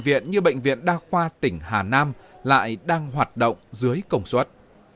viện như bệnh viện đa khoa tỉnh hà nam lại đang hoạt động dưới công suất